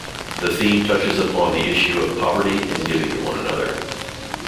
The theme touches upon the issue of poverty and giving to one another.